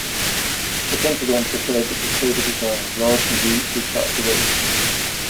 The Pentagon preferred the Crusader design, largely due to its lighter weight.